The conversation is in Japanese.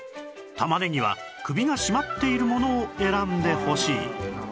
玉ねぎは首が締まっているものを選んでほしい